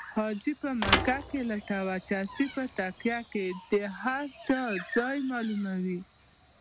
حاجي په مکه کې لټوه چرسي په تکیه کې د هر چا ځای معلوموي